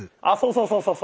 あそうそうそう。